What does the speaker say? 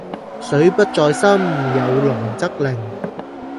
水不在深，有龍則靈